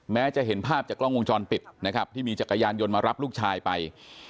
แม้จะเห็นภาพจากกล้องวงจรปิดนะครับที่มีจักรยานยนต์มารับลูกชายไป